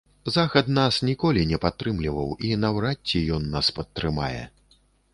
Захад нас ніколі не падтрымліваў, і наўрад ці ён нас падтрымае.